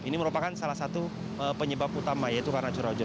ini merupakan salah satu penyebab utama yaitu karena curah hujan